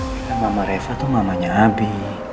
mereka mama reva tuh mamanya abi